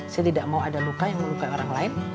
saya tidak mau ada luka yang melukai orang lain